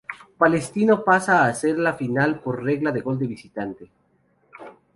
Palestino pasa a la final por regla del gol de visitante.